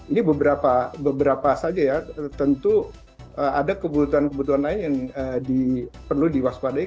ini beberapa beberapa saja ya tentu ada kebutuhan kebutuhan lain yang perlu diwaspadai